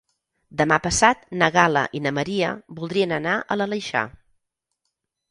Demà passat na Gal·la i na Maria voldrien anar a l'Aleixar.